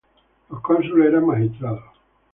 Los cónsules eran magistrados.